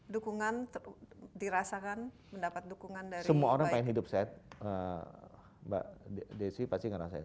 dukungan dirasakan mendapat dukungan dari